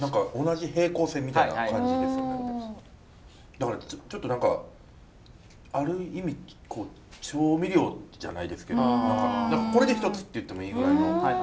だからちょっと何かある意味調味料じゃないですけどこれで一つって言ってもいいぐらいの。